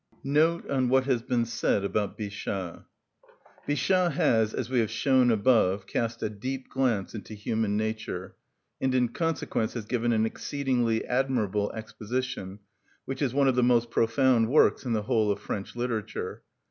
Note On What Has Been Said About Bichat. Bichat has, as we have shown above, cast a deep glance into human nature, and in consequence has given an exceedingly admirable exposition, which is one of the most profound works in the whole of French literature.